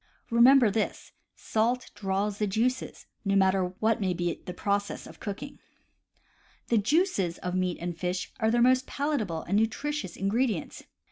Remember this: salt draws the juices, no mat ter what may be the process of cooking. The juices of meats and fish are their most palatable and nutritious ingredients.